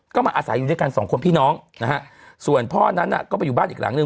ก็มาอาศัยอยู่ด้วยกันสองคนพี่น้องนะฮะส่วนพ่อนั้นน่ะก็ไปอยู่บ้านอีกหลังหนึ่ง